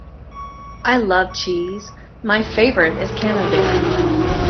I love cheese; my favourite is camembert.